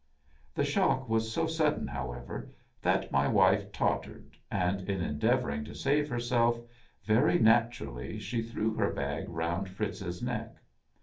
The shock was so sudden, however, that my wife tottered, and in endeavoring to save herself, very nat urally, she threw her bag round Fritz's neck.